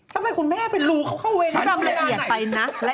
ทำไมคุณแม่เป็นรู้เข้าเวนดึก